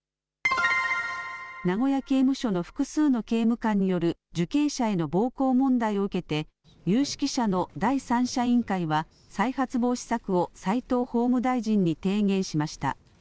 名古屋刑務所の複数の刑務官による受刑者への暴行問題を受けて、有識者の第三者委員会は、再発防止策を齋藤法務大臣に提言しました。